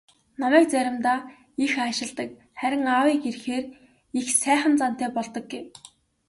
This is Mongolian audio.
"Намайг заримдаа их аашилдаг, харин аавыг ирэхээр их сайхан зантай болдог" гэв.